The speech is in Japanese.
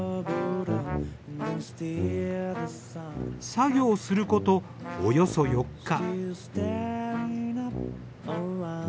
作業することおよそ４日。